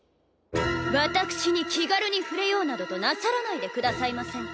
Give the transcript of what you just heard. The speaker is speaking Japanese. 私に気軽に触れようなどとなさらないでくださいませんか？